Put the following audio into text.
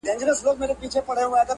او بين المللي کنفرانس کي